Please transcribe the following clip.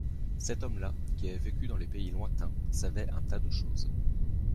Cet homme-là, qui avait vécu dans les pays lointains, savait un tas de choses.